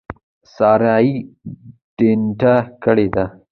سارا يې ټنډه کړې ده.